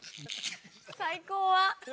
最高は。